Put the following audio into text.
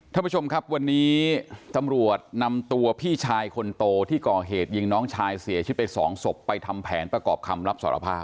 ท่านผู้ชมครับวันนี้ตำรวจนำตัวพี่ชายคนโตที่ก่อเหตุยิงน้องชายเสียชีวิตไปสองศพไปทำแผนประกอบคำรับสารภาพ